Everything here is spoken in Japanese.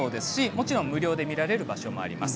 もちろん無料で見られる場所もあります。